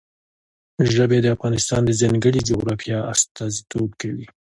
ژبې د افغانستان د ځانګړي جغرافیه استازیتوب کوي.